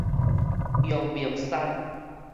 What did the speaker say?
陽明山